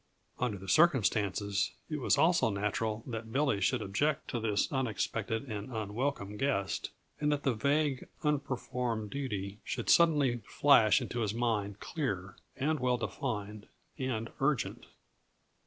Under the circumstances, it was also natural that Billy should object to this unexpected and unwelcome guest, and that the vague, unperformed duty should suddenly flash into his mind clear, and well defined, and urgent.